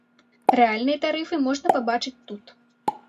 Рэальныя тарыфы можна пабачыць тут.